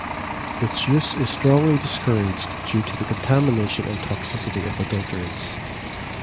Its use is strongly discouraged due to the contamination and toxicity of adulterants.